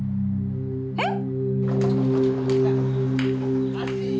えっ？